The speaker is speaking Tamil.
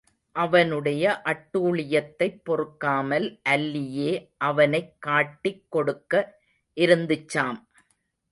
அவனுடைய அட்டூழியத்தைப் பொறுக்காமல் அல்லியே அவனைக் காட்டிக் கொடுக்க இருந்துச்சாம்.